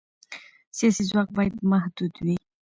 سیاسي ځواک باید محدود وي